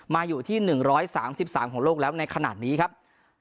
มาอยู่ที่หนึ่งร้อยสามสิบสามของโลกแล้วในขณะนี้ครับ